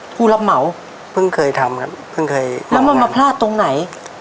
ผู้รับเหมาเพิ่งเคยทำครับเพิ่งเคยแล้วมันมาพลาดตรงไหน